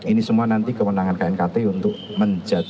ini semua nanti kemenangan knkt untuk menjudge